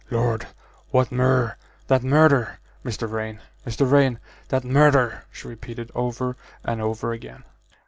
"Lord! what mur that murder! Mr. Vrain! Mr. Vrain that murder!" she repeated over and over again.